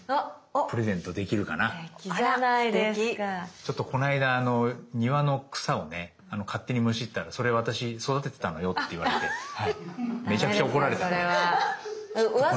ちょっとこの間庭の草をね勝手にむしったら「それ私育ててたのよ」って言われてめちゃくちゃ怒られたんで。